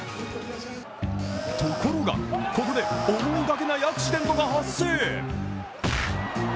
ところが、ここで思いがけないアクシデントが発生。